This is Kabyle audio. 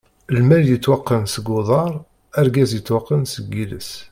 Lmal yettwaqqan seg uḍaṛ, argaz yettwaqqan seg iles!